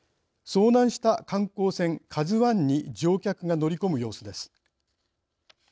遭難した観光船「ＫＡＺＵＩ」に乗客が乗り込む様子です。